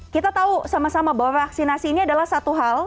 kita tahu sama sama bahwa vaksinasi ini adalah satu hal